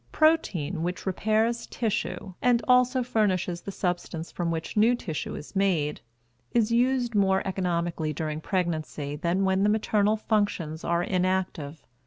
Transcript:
Protein, which repairs tissue and also furnishes the substance from which new tissue is made, is used more economically during pregnancy than when the maternal functions are inactive.